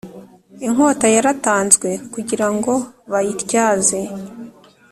Inkota yaratanzwe kugira ngo bayityaze